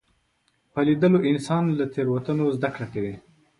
په لیدلو انسان له تېروتنو زده کړه کوي